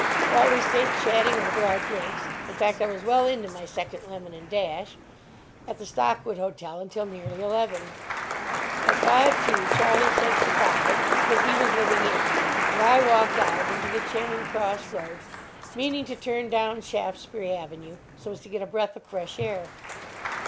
Well, we stayed chatting over our drinks (in fact, I was well into my second lemon and dash) at the Stockwood Hotel until nearly eleven. At five to, Charlie said good bye, because he was living in, and I walked out into the Charing Cross Road, meaning to turn down Shaftesbury Avenue so as to get a breath of fresh air.